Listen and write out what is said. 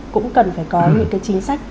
cũng cần phải có những cái chính sách